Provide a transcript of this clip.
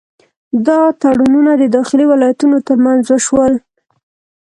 دا تړونونه د داخلي ولایتونو ترمنځ وشول.